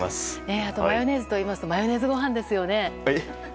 あと、マヨネーズといいますとマヨネーズご飯ですよね？